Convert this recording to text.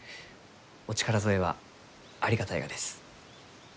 お力添えはありがたいがです。